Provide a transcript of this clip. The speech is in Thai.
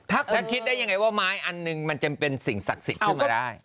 ถ้าคิดได้ยังไงว่าไม้อันหนึ่งมันจะเป็นสิ่งศักดิ์สิทธิ์ขึ้นมาได้